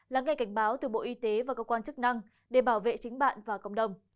lắng nghe cảnh báo từ bộ y tế và cơ quan chức năng để bảo vệ chính bạn và cộng đồng